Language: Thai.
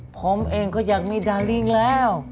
ผมเองก็อยากมีดาริ่งแล้ว